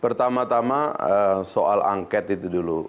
pertama tama soal angket itu dulu